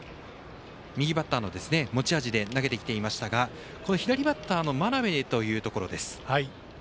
右バッターの持ち味で投げてきていましたが真鍋というところです。